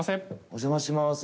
お邪魔します。